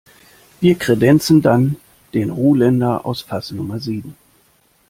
Wir kredenzen dann den Ruländer aus Fass Nummer sieben.